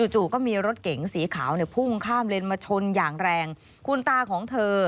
จู่ก็มีรถเก๋งสีขาวเนี่ยพุ่งข้ามเลนมาชนอย่างแรงคุณตาของเธอ